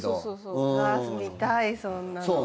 うわっ見たいそんなの。